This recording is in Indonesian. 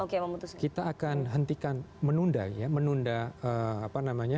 kita akan hentikan menunda ya